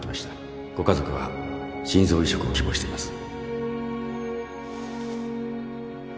ご家族は心臓移植を希望しています